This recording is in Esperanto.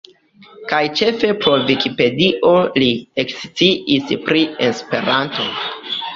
Kaj ĉefe pro Vikipedio li eksciis pri Esperanto.